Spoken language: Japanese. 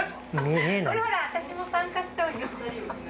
これほら私も参加したんよ。